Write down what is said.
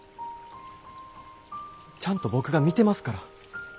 ちゃんと僕が見てますから。